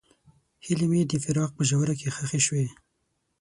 هیلې مې د فراق په ژوره کې ښخې شوې.